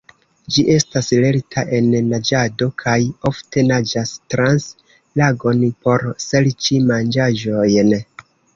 Ĝi estas lerta en naĝado kaj ofte naĝas trans lagon por serĉi manĝaĵojn.